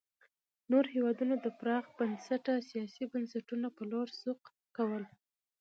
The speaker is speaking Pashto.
نور هېوادونه د پراخ بنسټه سیاسي بنسټونو په لور سوق کول.